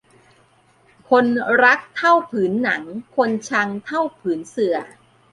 คนรักเท่าผืนหนัง คนชังเท่าผืนเสื่อ